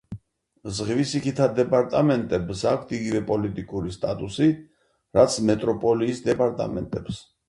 ზღვისიქითა დეპარტამენტებს აქვთ იგივე პოლიტიკური სტატუსი, რაც მეტროპოლიის დეპარტამენტებს.